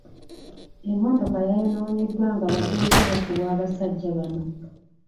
Emmotoka yayonooneddwa ng'abatuuze bakuba abasajja bano.